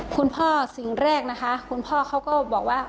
คุณพ่อสิ่งแรกนะคะคุณพ่อเขาก็บอกว่า